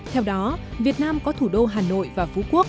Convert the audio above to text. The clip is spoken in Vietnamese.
theo đó việt nam có thủ đô hà nội và phú quốc